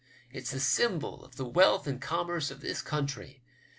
It's the symbol of the v^ealth and commerce of this country.